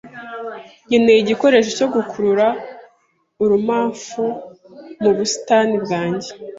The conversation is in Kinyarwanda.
Nkeneye igikoresho cyo gukurura urumamfu mu busitani bwanjye.